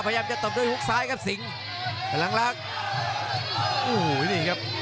พยายามจะตบด้วยฮุกซ้ายครับสิงพลังลักษณ์โอ้โหนี่ครับ